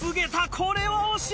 これは惜しい！